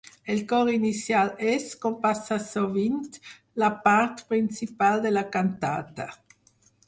El cor inicial és, com passa sovint, la part principal de la cantata.